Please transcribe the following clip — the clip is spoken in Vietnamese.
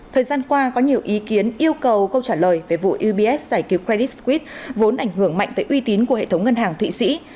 thời gian qua có nhiều ý kiến yêu cầu câu trả lời về vụ ubs giải cứu brexit sque vốn ảnh hưởng mạnh tới uy tín của hệ thống ngân hàng thụy sĩ